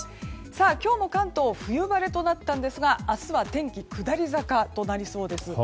今日も関東冬晴れとなったんですが明日は天気、下り坂となりそうです。